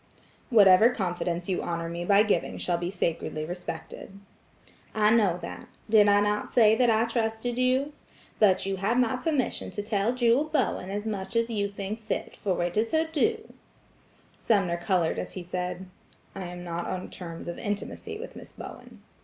"Whatever confidence you honor me by giving shall be sacredly respected." "I know that. Did I not tell you that I trusted you? But you have my permission to tell Jewel Bowen as much as you think fit, for it is her due." Sumner colored as he said: "I am not on terms of intimacy with Miss Bowen."